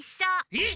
えっ！？